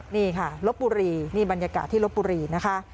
นี่ค่ะลบบุรีนี่บรรยากาศที่ลบบุรีนะคะ